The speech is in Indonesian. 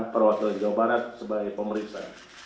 perwakilan jawa barat sebagai pemeriksa